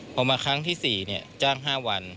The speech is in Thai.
พอมาครั้งที่๔จ้าง๕วัน